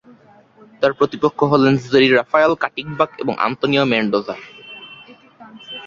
তার প্রতিপক্ষ হলেন জেরি রাফায়েল কাটিগবাক ও আন্তোনিও মেন্ডোজা।